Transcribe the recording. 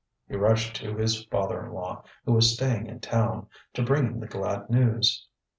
He rushed to his father in law, who was staying in town, to bring him the glad news.